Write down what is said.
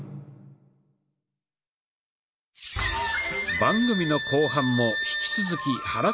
番組の後半も引き続き肚腰呼吸。